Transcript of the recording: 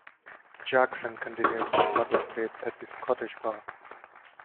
Jackson continues to practice at the Scottish Bar.